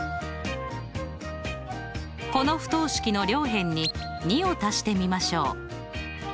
この不等式の両辺に２を足してみましょう。